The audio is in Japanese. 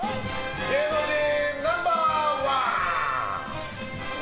芸能人ナンバー１。